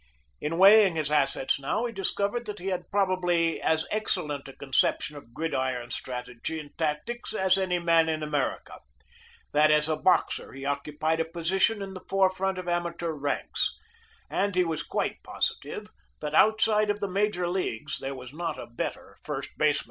In weighing his assets now he discovered that he had probably as excellent a conception of gridiron strategy and tactics as any man in America; that as a boxer he occupied a position in the forefront of amateur ranks; and he was quite positive that out side of the major leagues there was not a better first baseman.